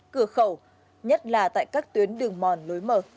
cửa khẩu nhất là tại các tuyến đường mòn lối mở